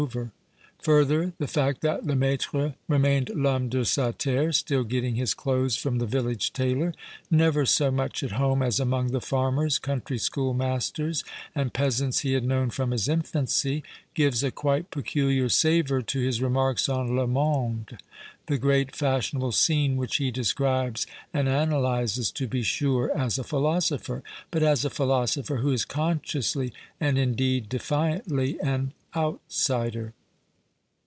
251 JULES LEMAfTRE Further, tlie fact that Lemaitre remained " rhomme de sa terre," still getting his clothes from the village tailor, never so much at home as among the farmers, country schoolmasters, and peasants he had known from his infancy, gives a quite peculiar saAour to his remarks on " Ic monde "— the great fashionable scene, which he describes and analyses, to be sure, as a philosojihcr, but as a philosopher who is, consciously and indeed defiantly, an " outsider."